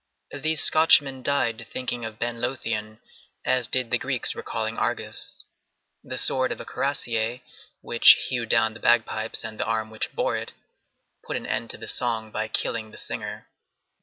These Scotchmen died thinking of Ben Lothian, as did the Greeks recalling Argos. The sword of a cuirassier, which hewed down the bagpipes and the arm which bore it, put an end to the song by killing the singer.